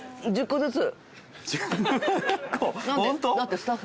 １０個ずつ。